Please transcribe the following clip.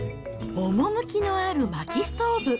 趣のあるまきストーブ。